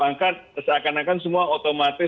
angkat seakan akan semua otomatis